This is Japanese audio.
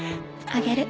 あげる。